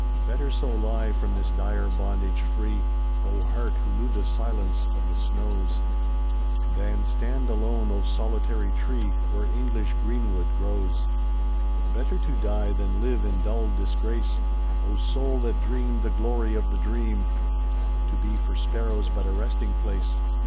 Better so lie, from this dire bondage free, O heart who knew the silence of the snows ! Than stand alone, O solitary tree. Where English greenwood grows. Better to die than live in dull disgrace, O soul that dreamed the glory of the dream! To be for sparrows but a resting place.